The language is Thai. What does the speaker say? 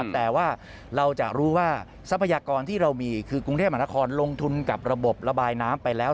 แต่ว่าเราจะรู้ว่าทรัพยากรที่เรามีคือกรุงเทพมหานครลงทุนกับระบบระบายน้ำไปแล้ว